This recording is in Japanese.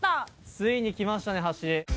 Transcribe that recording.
ついに来ましたね橋。